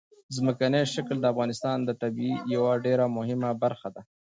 ځمکنی شکل د افغانستان د طبیعت یوه ډېره مهمه برخه ده.